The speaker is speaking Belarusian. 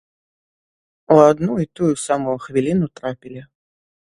У адну і тую самую хвіліну трапілі.